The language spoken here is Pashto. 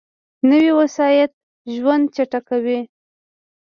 نوې وسایط ژوند چټک کوي